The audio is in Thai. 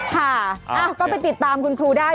ค่ะก็ไปติดตามคุณครูได้